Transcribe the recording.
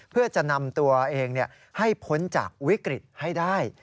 เพื่อจะนำตัวเองให้พ้นจากวิกฤตให้ได้